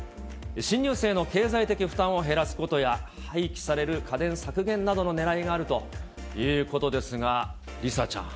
新入生の経済的負担を減らすことや、廃棄される家電削減などのねらいがあるということですが、梨紗ちゃん。